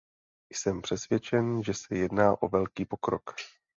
Jsem přesvědčen, že se jedná o velký pokrok.